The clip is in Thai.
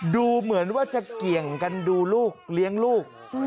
ดูเหมือนว่าจะเกี่ยงกันดูลูกเลี้ยงลูก